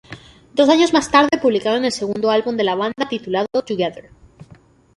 Dos años más tarde publicaron el segundo álbum de la banda, titulado "Together".